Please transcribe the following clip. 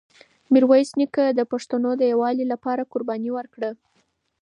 میرویس نیکه د پښتنو د یووالي لپاره قرباني ورکړه.